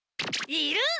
いる！